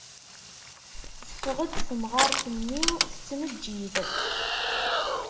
Teffeɣ-d temɣart-nni tettmeǧǧid.